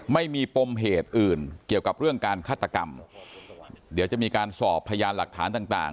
ไม่มีปมเหตุอื่นเกี่ยวกับเรื่องการฆาตกรรมเดี๋ยวจะมีการสอบพยานหลักฐานต่างต่าง